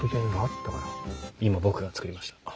今僕が作りました。